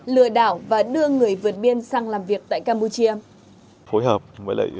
lừa đảo và đưa người vượt biên sang làm việc tại campuchia